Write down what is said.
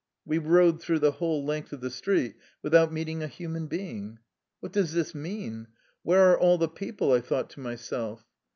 We rode through the whole length of the street without meeting a human being. "What does this mean? Where are all the people? '' I thought to myself.